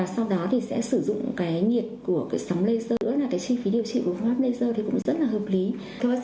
sau đó sẽ sử dụng nhiệt của sóng laser chi phí điều trị của phương pháp laser rất hợp lý